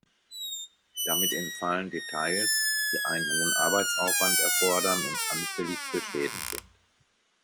Damit entfallen Details, die einen hohen Arbeitsaufwand erfordern und anfällig für Schäden sind.